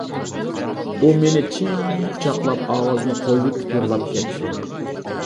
ئۇ مېنى چىڭ قۇچاقلاپ ئاۋازىنى قويۇۋېتىپ يىغلاپ كەتتى.